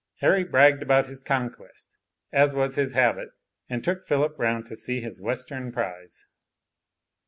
Harry bragged about his conquest, as was his habit, and took Philip round to see his western prize.